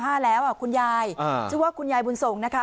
อายุ๗๕แล้วคุณยายชื่อว่าคุณยายบุญสงฆ์นะคะ